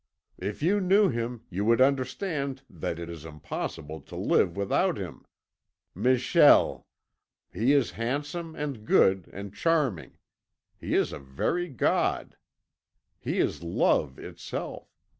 If you knew him, you would understand that it is impossible to live without him. Michel! He is handsome and good and charming. He is a very god. He is Love itself.